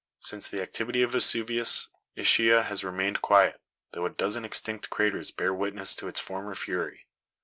Since the activity of Vesuvius, Ischia has remained quiet, though a dozen extinct craters bear witness to its former fury.